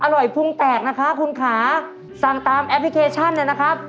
อร่อยพุงแตกนะคะคุณขาสั่งตามแอปพลิเคชันนะครับ